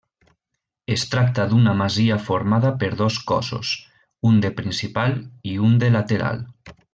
Es tracta d'una masia formada per dos cossos, un de principal i un de lateral.